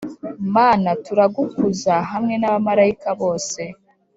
Mana turagukuza hamwe n’abamarayika bose